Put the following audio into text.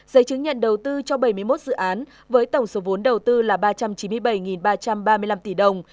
giấy chứng nhận đầu tư cho bảy mươi một dự án với tổng số vốn đầu tư là ba trăm chín mươi bảy ba trăm ba mươi năm tỷ đồng